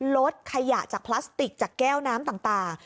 ลดขยะจากพลาสติกจากแก้วน้ำต่าง